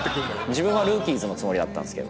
自分は『ＲＯＯＫＩＥＳ』のつもりだったんですけど。